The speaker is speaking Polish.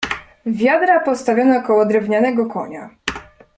"Wiadra postawiono koło drewnianego konia."